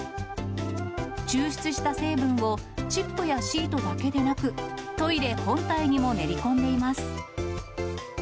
抽出した成分をチップやシートだけでなく、トイレ本体にも練り込んでいます。